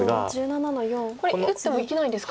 これ打っても生きないんですか。